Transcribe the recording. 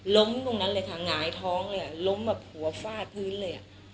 ล้มตรงนั้นเลยค่ะหงายท้องเลยอ่ะล้มแบบหัวฟาดพื้นเลย